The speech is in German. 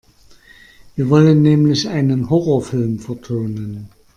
Wir wollen nämlich einen Horrorfilm vertonen.